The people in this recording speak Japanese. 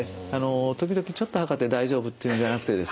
時々ちょっと測って大丈夫っていうのじゃなくてですね